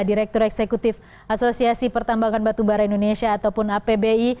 direktur eksekutif asosiasi pertambangan batubara indonesia ataupun apbi